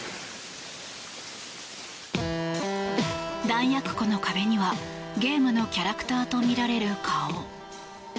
弾薬庫の壁にはゲームのキャラクターと見られる顔。